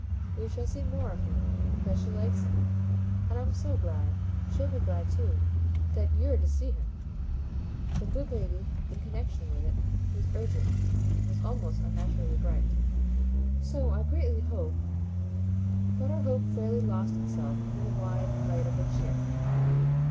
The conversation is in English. We shall see more of him, because she likes him; and I'm so glad she'll be glad too that YOU'RE to see him." The good lady, in connexion with it, was urgent, was almost unnaturally bright. "So I greatly hope !" But her hope fairly lost itself in the wide light of her cheer.